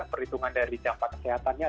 perhitungan dari dampak kesehatannya